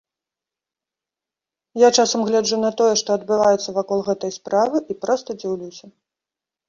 Я часам гляджу на тое, што адбываецца вакол гэтай справы, і проста дзіўлюся.